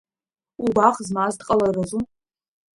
Угәаӷ змаз дҟаларызу?